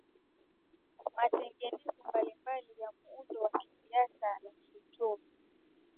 matengenezo mbalimbali ya muundo wa kisiasa na kiuchumi